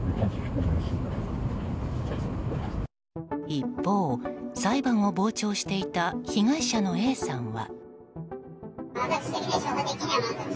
一方、裁判を傍聴していた被害者のＡさんは。